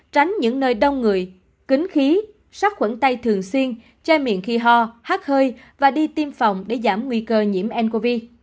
tránh những nơi đông người kính khí sắc khuẩn tay thường xuyên che miệng khi ho hát hơi và đi tiêm phòng để giảm nguy cơ nhiễm ncov